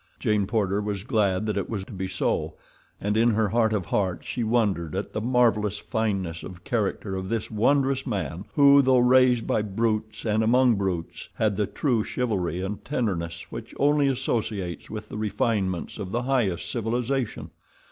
Jane Porter was glad that it was to be so, and in her heart of hearts she wondered at the marvelous fineness of character of this wondrous man, who, though raised by brutes and among brutes, had the true chivalry and tenderness which only associates with the refinements of the highest civilization.